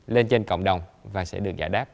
lên trên cộng đồng và sẽ được giải đáp